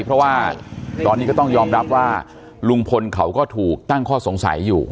เพราะว่าตอนนี้ก็ต้องยอมรับว่าลุงพลเขาก็ถูกตั้งข้อสงสัยอยู่